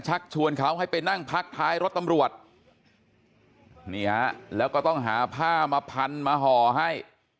ชักชวนเขาให้ไปนั่งพักท้ายรถตำรวจนี่ฮะแล้วก็ต้องหาผ้ามาพันมาห่อให้